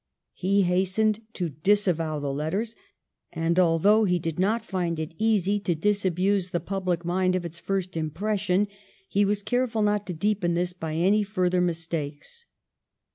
He hastened to disavow the letters, and although he did not find it easy to disabuse the public mind of its first impression, he was careful not to deepen this by any further mistakes.